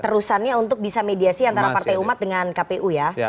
terusannya untuk bisa mediasi antara partai umat dengan kpu ya